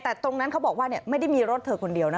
แต่ตรงนั้นเขาบอกว่าไม่ได้มีรถเธอคนเดียวนะ